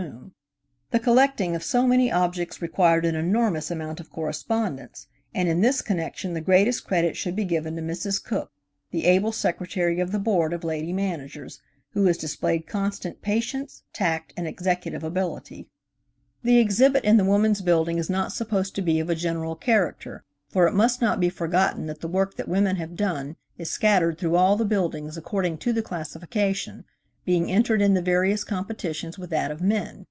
MRS. COOKE. The collecting of so many objects required an enormous amount of correspondence, and in this connection the greatest credit should be given to Mrs. Cooke, the able Secretary of the Board of Lady Managers, who has displayed constant patience, tact, and executive ability. The exhibit in the Woman's Building is not supposed to be of a general character, for it must not be forgotten that the work that women have done is scattered through all the buildings according to the classification, being entered in the various competitions with that of men.